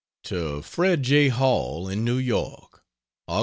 To Fred J. Hall, in New York: Aug.